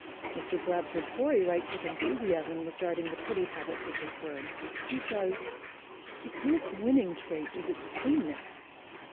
Mr. Bradford Torrey writes with enthusiasm regarding the pretty habits of this bird. He says: "Its most winning trait is its tameness.